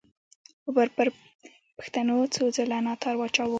بابر پر پښتنو څو څله ناتار واچاوو.